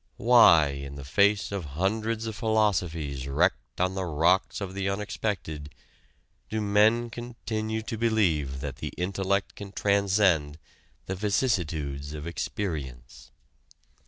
Why in the face of hundreds of philosophies wrecked on the rocks of the unexpected do men continue to believe that the intellect can transcend the vicissitudes of experience?